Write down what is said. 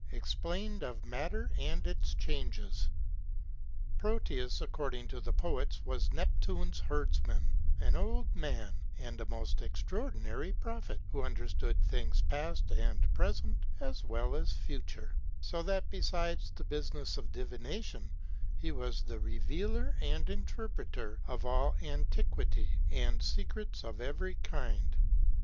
EXPLAINED OF MATTER AND ITS CHANGES. Proteus, according to the poets, was Neptune's herdsman; an old man, and a most extraordinary prophet, who understood things past and present, as well as future; so that besides the business of divination, he was the revealer and interpreter of all antiquity, and secrets of every kind.